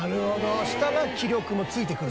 そしたら気力もついてくるんですね。